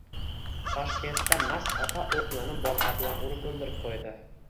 Toshkentda mast ota o‘g‘lini bolg‘a bilan urib o‘ldirib qo‘ydi